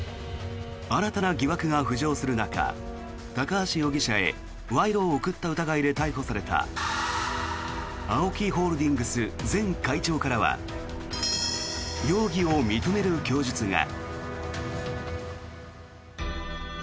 新たな疑惑が浮上する中高橋容疑者へ賄賂を贈った疑いで逮捕されたＡＯＫＩホールディングス前会長からは容疑を認める供述が。